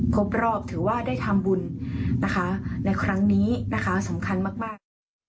ครบรอบถือว่าได้ทำบุญนะคะในครั้งนี้นะคะสำคัญมาก